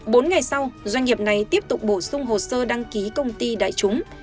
bốn ngày sau doanh nghiệp này tiếp tục bổ sung hồ sơ đăng ký công ty đại chúng